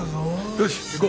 よし行こう。